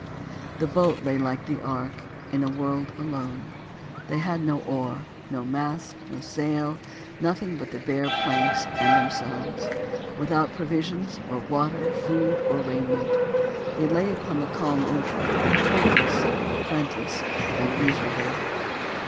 The boat lay like the ark, in a world alone! They had no oar, no mast and no sail, nothing but the bare planks and themselves, without provisions or water, food or raiment. They lay upon the calm ocean, hopeless, friendless and miserable.